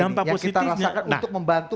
dampak yang kita rasakan untuk membantu